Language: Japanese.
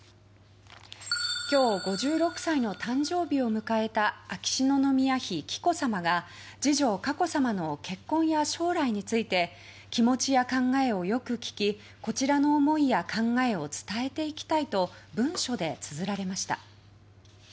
今日、５６歳の誕生日を迎えた秋篠宮妃紀子さまが次女・佳子さまの結婚や将来について気持ちをや考えをよく聞きこちらの思いや考えを伝えていきたいと文書でつづられました。